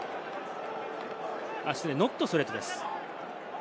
失礼、ノットストレートです。